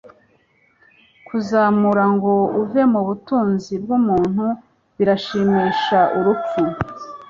Kuzamura ngo uve mu butunzi bwumuntu birashimisha urupfu